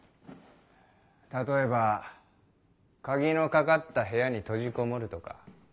例えば鍵の掛かった部屋に閉じこもるとか。